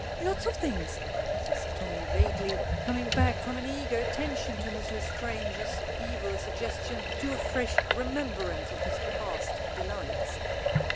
"Lots of things," says Tommy, vaguely, coming back from an eager attention to Miss L'Estrange's evil suggestion to a fresh remembrance of his past delights.